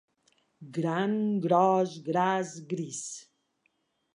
«Grand, gros, gras, gris».